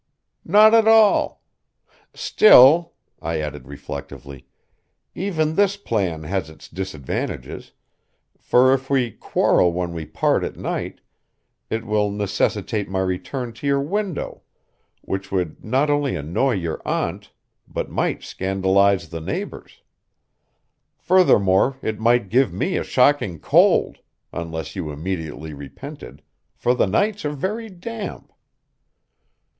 "Not at all. Still," I added reflectively, "even this plan has its disadvantages, for if we quarrel when we part at night, it will necessitate my return to your window, which would not only annoy your aunt but might scandalize the neighbors. Furthermore it might give me a shocking cold, unless you immediately repented, for the nights are very damp.